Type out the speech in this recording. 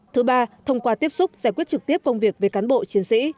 thứ ba thông qua tiếp xúc giải quyết trực tiếp phong việc về cán bộ chiến sĩ